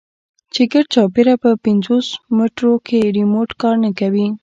چې ګردچاپېره په پينځوس مټرو کښې ريموټ کار نه کوي.